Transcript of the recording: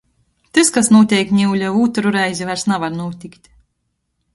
Tys, kas nūteik niule, ūtrū reizi vairs navar nūtikt.